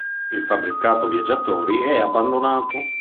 Il fabbricato viaggiatori è abbandonato.